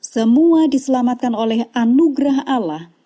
semua diselamatkan oleh anugerah allah